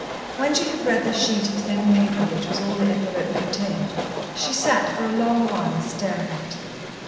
When she had read the sheet of thin paper which was all the envelope contained, she sat for a long while staring at it.